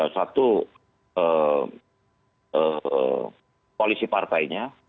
satu polisi partainya